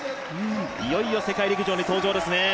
いよいよ世界陸上に登場ですね。